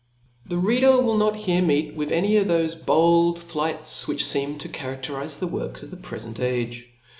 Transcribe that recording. The reader will not here meet with any of thofe bold flights^ which feem to cha? radlepife the works <?£ the prefent age.